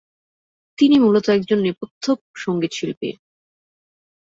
তিনি মূলত একজন নেপথ্য সঙ্গীতশিল্পী।